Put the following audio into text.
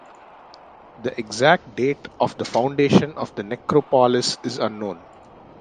The exact date of the foundation of the necropolis is unknown.